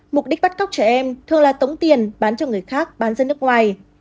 mục đích bắt cóc trẻ em thường là tống tiền bán cho người khác bán ra nước ngoài